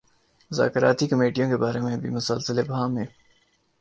مذاکرتی کمیٹیوں کے بارے میں بھی مسلسل ابہام ہے۔